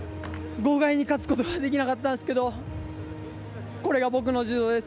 豪快に勝つことはできなかったんですけどこれが僕の柔道です。